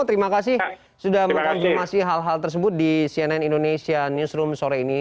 terima kasih sudah mengkonfirmasi hal hal tersebut di cnn indonesia newsroom sore ini